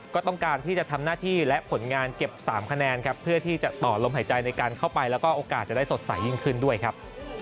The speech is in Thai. ก็ต้องการที่จะทำหน้าที่และผลงานเก็บ๓คะแนนครับเพื่อที่จะต่อลมหายใจในการเข้าไปแล้วก็โอกาสจะได้สดใสยิ่งขึ้นด้วยครับ